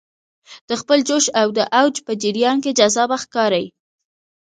د خپل جوش او اوج په جریان کې جذابه ښکاري.